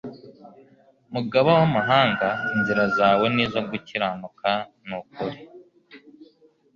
Mugaba w'amahanga, inzira zawe ni izo gukiranuka n'ukuri.